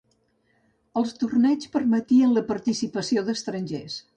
Els torneigs permetien la participació d'estrangers.